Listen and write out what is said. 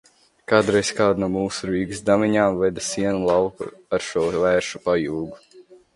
Kādreiz kāda no mūsu Rīgas dāmiņām veda sienu no lauka ar šo vēršu pajūgu.